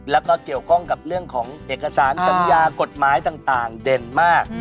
แล้วก็เกี่ยวข้องกับเรื่องของเอกสารสัญญากฎหมายต่างเด่นมาก